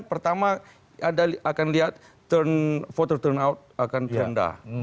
pertama anda akan lihat voter turnout akan rendah